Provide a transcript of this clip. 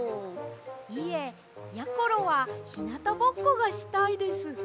いえやころはひなたぼっこがしたいです。